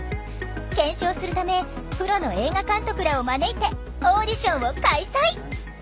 検証するためプロの映画監督らを招いてオーディションを開催！